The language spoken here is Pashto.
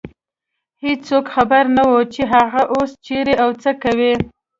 هېڅوک خبر نه و، چې هغوی اوس چېرې او څه کوي.